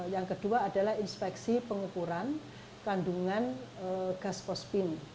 yang kedua adalah inspeksi pengukuran kandungan gas pospin